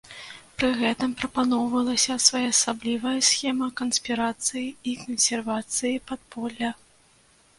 Пры гэтым прапаноўвалася своеасаблівая схема канспірацыі і кансервацыі падполля.